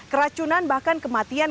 keracunan bahkan kematian